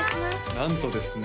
なんとですね